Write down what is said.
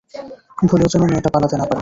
ভুলেও যেন মেয়েটা পালাতে না পারে!